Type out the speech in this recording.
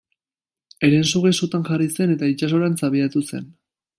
Herensuge sutan jarri zen eta itsasorantz abiatu zen.